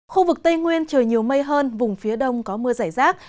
khu vực tây nguyên trời nhiều mây hơn vùng phía đông có mưa rải rác